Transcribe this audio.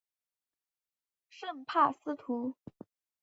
圣帕斯图。